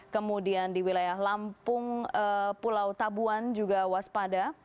kemudian di wilayah lampung pulau tabuan juga waspada